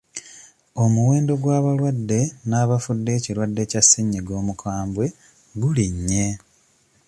Omuwendo gw'abalwadde n'abafudde ekirwadde Kya Ssennyinga omukambwe gulinnye.